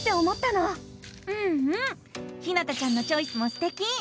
うんうんひなたちゃんのチョイスもすてき！